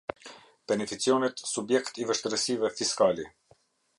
Beneficionet Subjekt i Vështirësive Fiskale.